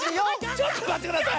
ちょっとまってください。